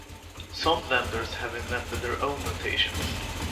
Some vendors have invented their own notations.